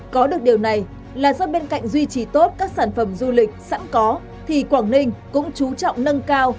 có được điều này là do bên cạnh duy trì tốt các sản phẩm du lịch sẵn có thì quảng ninh cũng chú trọng nâng cao